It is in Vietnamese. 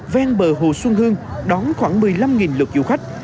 ven bờ hồ xuân hương đón khoảng một mươi năm lượt du khách